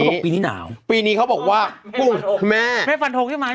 บอกปีนี้หนาวปีนี้เขาบอกว่ากุ้งแม่แม่ฟันทงใช่ไหม